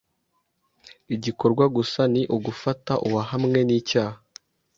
igikorwa gusa ni ugufata uwahamwe nicyaha